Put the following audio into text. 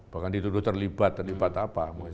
bahkan dituduh terlibat terlibat apa